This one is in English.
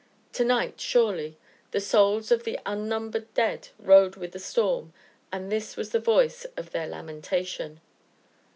To night, surely, the souls of the unnumbered dead rode within the storm, and this was the voice of their lamentation.